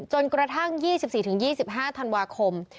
จนกระทั่ง๒๔๒๕ธันวาคม